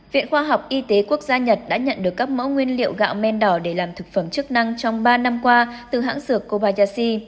viện khoa học y tế quốc gia nhật đã nhận được các mẫu nguyên liệu gạo men đỏ để làm thực phẩm chức năng trong ba năm qua từ hãng dược kobayashi